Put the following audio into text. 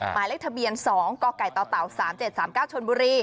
หมายเลขทะเบียน๒กกต๓๗๓๙ชนบุรี